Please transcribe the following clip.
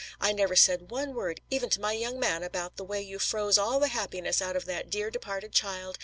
I never said one word even to my young man about the way you froze all the happiness out of that dear departed child.